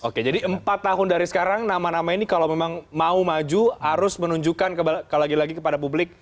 oke jadi empat tahun dari sekarang nama nama ini kalau memang mau maju harus menunjukkan lagi lagi kepada publik